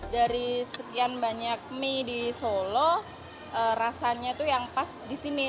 dari sekian banyak mie di solo rasanya itu yang pas di sini